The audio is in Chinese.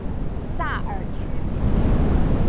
萨尔屈。